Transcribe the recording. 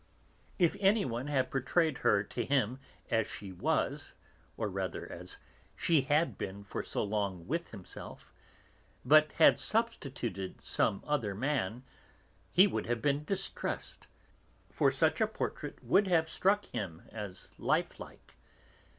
If anyone had portrayed her to him as she was, or rather as she had been for so long with himself, but had substituted some other man, he would have been distressed, for such a portrait would have struck him as lifelike.